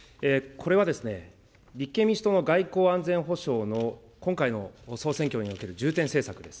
これは、立憲民主党の外交・安全保障の、今回の総選挙における重点政策です。